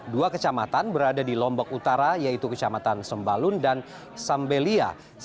dua kecamatan berada di lombok utara yaitu kecamatan sembalun dan sambelia